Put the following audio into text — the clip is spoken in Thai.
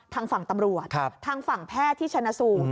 ทางฝั่งตำรวจทางฝั่งแพทย์ที่ชนะสูตร